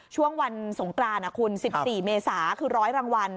ช่วงวันสงกรานคุณ๑๔เมษาคือ๑๐๐รางวัล